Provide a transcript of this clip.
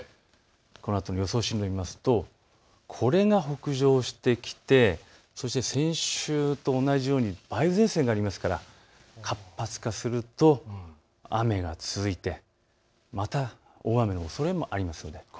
このあとの予想進路を見ますとこれが北上してきてそして先週と同じように梅雨前線がありますから活発化すると雨が続いてまた大雨のおそれがありそうです。